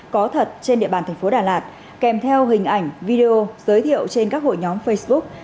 có thật trên địa bàn thành phố đà lạt kèm theo hình ảnh video giới thiệu trên các hội nhóm facebook